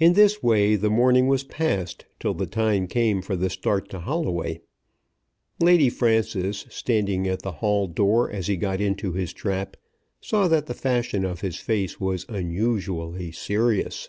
In this way the morning was passed till the time came for the start to Holloway. Lady Frances, standing at the hall door as he got into his trap, saw that the fashion of his face was unusually serious.